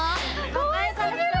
かわいすぎる。